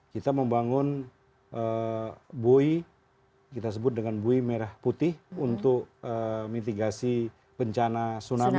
kita membangun bui kita sebut dengan bui merah putih untuk mitigasi bencana tsunami